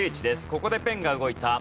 ここでペンが動いた。